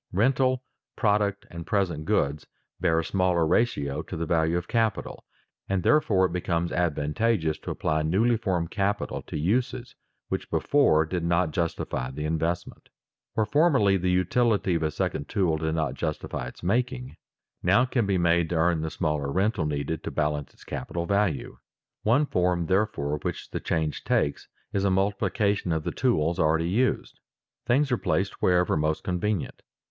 Rental, product, and present goods, bear a smaller ratio to the value of capital, and therefore it becomes advantageous to apply newly formed capital to uses which before did not justify the investment. Where formerly the utility of a second tool did not justify its making, now it can be made to earn the smaller rental needed to balance its capital value. One form, therefore, which the change takes, is a multiplication of the tools already used. Things are placed wherever most convenient.